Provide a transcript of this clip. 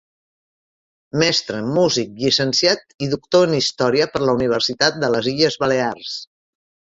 Mestre, músic, llicenciat i doctor en Història per la Universitat de les Illes Balears.